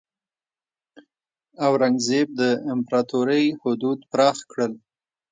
اورنګزیب د امپراتورۍ حدود پراخ کړل.